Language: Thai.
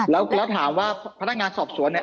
แล้วถามว่าพนักงานสอบสวนเนี่ย